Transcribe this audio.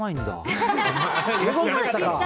ご存知でしたか。